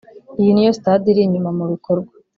Iyi ni yo stade iri inyuma mu bikorwa